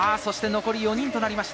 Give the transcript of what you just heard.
残り４人となりました。